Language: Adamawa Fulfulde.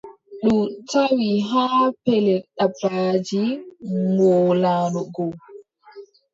Ndu tawi haa pellel dabbaaji ngoolaano go,